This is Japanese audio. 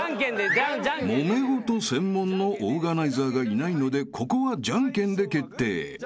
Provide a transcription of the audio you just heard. ［もめ事専門のオーガナイザーがいないのでここはじゃんけんで決定］